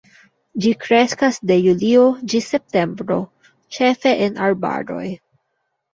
Ĝi kreskas de julio ĝis septembro, ĉefe en arbaroj.